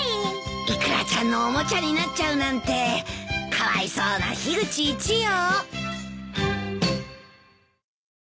イクラちゃんのおもちゃになっちゃうなんてかわいそうな樋口一葉。